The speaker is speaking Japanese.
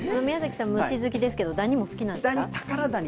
宮崎さん、虫好きですからだにも好きですか。